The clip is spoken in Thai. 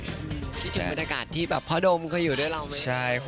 คิดถึงบรรยากาศที่แบบพ่อโดมเคยอยู่ด้วยเราไหม